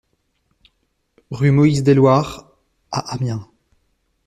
Rue Moise Delouard à Amiens